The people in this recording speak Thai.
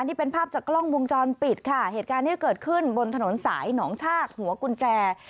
นี่เป็นภาพจากกล้องวงจรปิดค่ะเหตุการณ์ที่เกิดขึ้นบนถนนสายหนองชากหัวกุญแจ